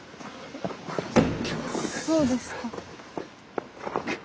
そうですか。